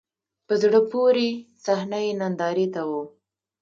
په زړه پورې صحنه یې نندارې ته و.